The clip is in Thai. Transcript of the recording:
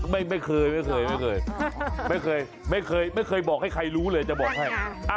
ไม่เคยไม่เคยไม่เคยไม่เคยบอกให้ใครรู้เลยจะบอกให้